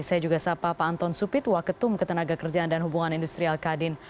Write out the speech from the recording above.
saya juga sapa pak anton supit waketum ketenagakerjaan dan hubungan industri alkadin